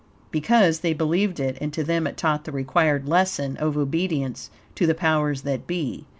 Because they believed it, and to them it taught the required lesson of obedience to the powers that be.